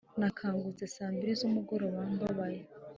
nakangutse sambiri z'umugoroba mbabaye